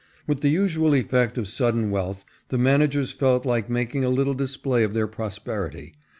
With the usual effect of sudden wealth, the managers felt like making a little display of their prosperity.